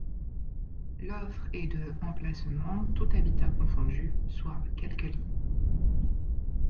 L'offre est de emplacements tout habitat confondu, soit quelque lits.